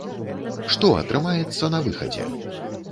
Што атрымаецца на выхадзе?